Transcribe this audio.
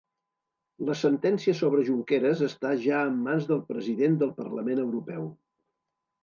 La sentència sobre Junqueras està ja en mans del president del Parlament Europeu